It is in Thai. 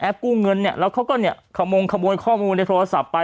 กู้เงินเนี่ยแล้วเขาก็เนี่ยขมงขโมยข้อมูลในโทรศัพท์ไป